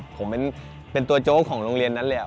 ผมเป็นตัวโจ๊กของโรงเรียนนั้นเลย